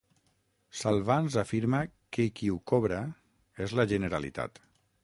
Salvans afirma que qui ho cobra és la Generalitat.